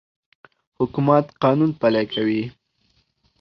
حکومت قانون پلی کوي.